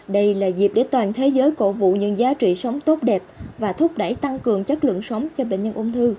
đây là dịp để toàn thế giới cổ vũ những giá trị sống tốt đẹp và thúc đẩy tăng cường chất lượng sống cho bệnh nhân ung thư